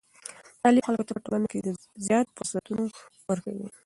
تعلیم خلکو ته په ټولنه کې زیاتو فرصتونو ورکوي.